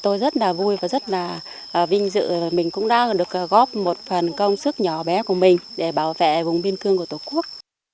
tôi rất là vui và rất là vinh dự mình cũng đã được góp một phần công sức nhỏ bé của mình để bảo vệ vùng biên cương của tổ quốc